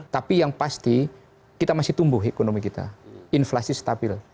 tapi yang pasti kita masih tumbuh ekonomi kita inflasi stabil